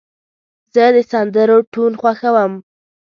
زه د سندرو ټون خوښوم.